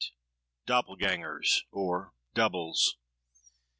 DOPPELGÄNGERS, OR DOUBLES.